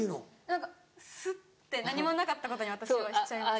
何かスッて何もなかったことに私はしちゃいます。